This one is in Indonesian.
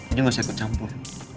ini gak usah ikut campur